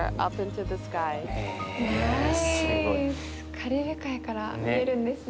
カリブ海から見えるんですね。